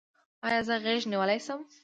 ایا زه غیږه نیولی شم؟